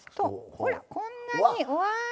ほらこんなにうわ！